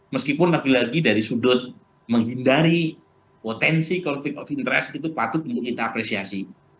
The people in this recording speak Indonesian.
meskipun lagi lagi dari sudut menghindari potensi conflict of interest itu patut kita apresiasi